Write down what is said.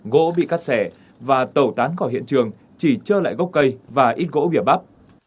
gỗ bị cắt sẻ và tổ tán khỏi hiện trường chỉ cho lại gốc cây và ít gỗ bìa bắp